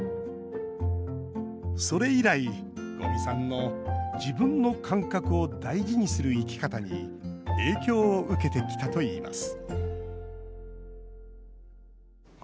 それ以来、五味さんの自分の感覚を大事にする生き方に影響を受けてきたといいます